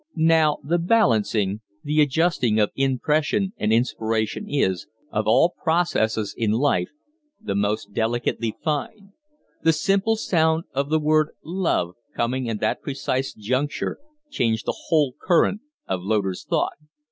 Now the balancing the adjusting of impression and inspirations, of all processes in life, the most delicately fine. The simple sound of the word "love" coming at that precise juncture changed the whole current of Loder's thought.